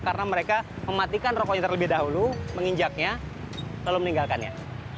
karena mereka mematikan rokoknya terlebih dahulu menginjaknya lalu meninggalkannya